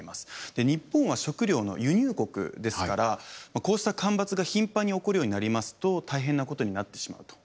日本は食料の輸入国ですからこうした干ばつが頻繁に起こるようになりますと大変なことになってしまうと。